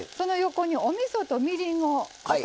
これおみそとみりんと。